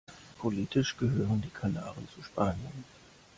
Politisch gehören die Kanaren zu Spanien.